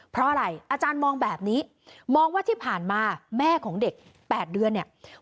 เพราะอะไรอาจารย์มองแบบนี้มองว่าที่ผ่านมาแม่ของเด็ก๘เดือนเนี่ย